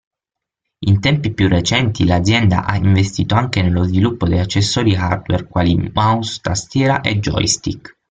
In tempi più recenti l'azienda ha investito anche nello sviluppo di accessori hardware quali mouse, tastiere e joystick.